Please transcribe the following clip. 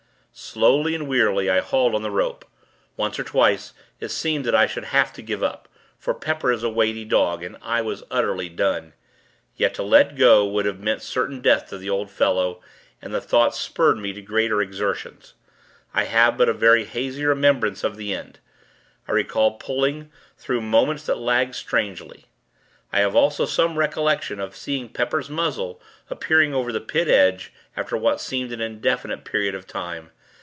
Slowly and wearily, I hauled on the rope. Once or twice, it seemed that I should have to give up; for Pepper is a weighty dog, and I was utterly done. Yet, to let go, would have meant certain death to the old fellow, and the thought spurred me to greater exertions. I have but a very hazy remembrance of the end. I recall pulling, through moments that lagged strangely. I have also some recollection of seeing Pepper's muzzle, appearing over the Pit edge, after what seemed an indefinite period of time.